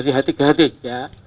kita sudah berada di negara ini